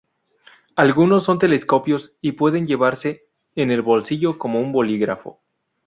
Algunos son telescópicos y pueden llevarse en el bolsillo como un bolígrafo.